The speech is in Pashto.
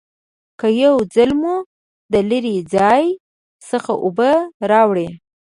که یو ځل مو د لرې ځای څخه اوبه راوړي